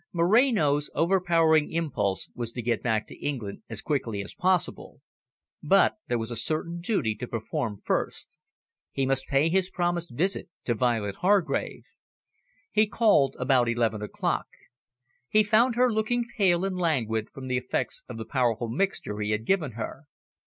Moreno's overpowering impulse was to get back to England as quickly as possible. But there was a certain duty to perform first. He must pay his promised visit to Violet Hargrave. He called about eleven o'clock. He found her looking pale and languid from the effects of the powerful mixture he had given her.